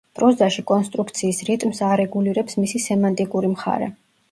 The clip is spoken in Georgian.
პროზაში კონსტრუქციის რიტმს არეგულირებს მისი სემანტიკური მხარე.